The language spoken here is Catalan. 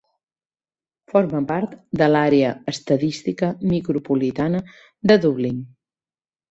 Forma part de l'Àrea Estadística Micropolitana de Dublin.